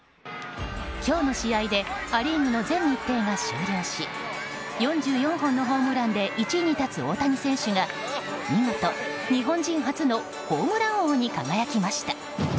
今日の試合でア・リーグの全日程が終了し４４本のホームランで１位に立つ大谷選手が見事日本人初のホームラン王に輝きました。